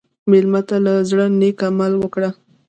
مېلمه ته له زړه نیک عمل وکړه.